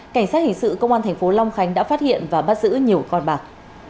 cảnh sát hình sự công an thành phố long khánh đã phát hiện và bắt giữ nhiều con bạc